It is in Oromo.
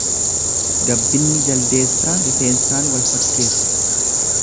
Gabbinni jaldeessaa rifeensaan wal fakkeessa.